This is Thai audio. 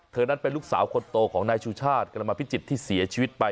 นั้นเป็นลูกสาวคนโตของนายชูชาติกรมพิจิตรที่เสียชีวิตไป